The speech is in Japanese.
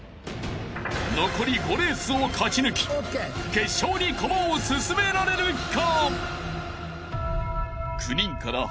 ［残り５レースを勝ち抜き決勝に駒を進められるか！？］